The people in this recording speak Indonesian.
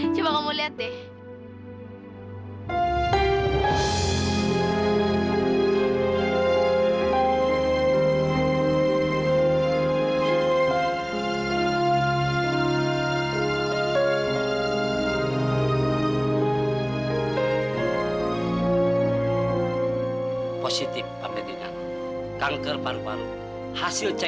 coba kamu lihat deh